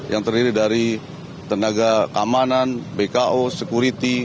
yang terdiri dari tenaga keamanan bko security